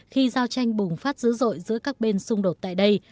khi giao tranh bùng phát dữ dội giữa các bên xung đột tại đây